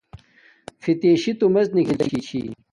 فتشی تومڎ نکھل لگی چھی